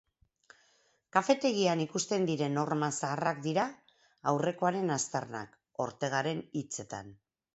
Kafetegian ikusten diren horma zaharrak dira aurrekoaren aztarnak, Ortegaren hitzetan.